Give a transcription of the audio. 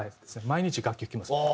毎日楽器吹きますね。